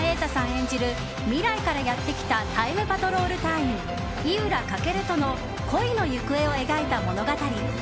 演じる未来からやってきたタイムパトロール隊員井浦翔との恋の行方を描いた物語。